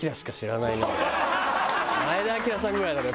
前田日明さんぐらいだろう